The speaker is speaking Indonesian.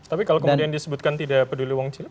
tapi kalau kemudian disebutkan tidak peduli uang cilik